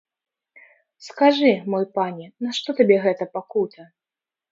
Скажы, мой пане, нашто табе гэта пакута?